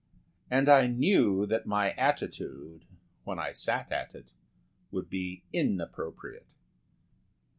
And I knew that my attitude when I sat at it would be inappropriate.